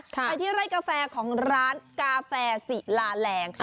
ไปที่ไร่กาแฟของร้านกาแฟศิลาแรง